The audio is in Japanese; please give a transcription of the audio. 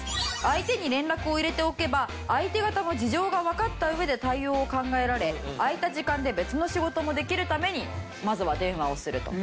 相手に連絡を入れておけば相手方も事情がわかった上で対応を考えられ空いた時間で別の仕事もできるためにまずは電話をすると。